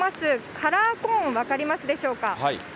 カラーコーン、分かりますでしょうか。